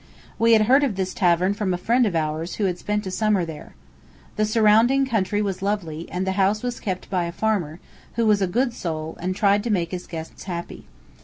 We had heard of this tavern from a friend of ours, who had spent a summer there. The surrounding country was lovely, and the house was kept by a farmer, who was a good soul, and tried to make his guests happy.